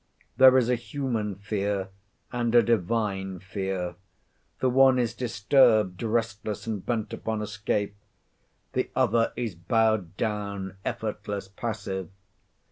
There is a human fear, and a divine fear. The one is disturbed, restless, and bent upon escape. The other is bowed down, effortless, passive.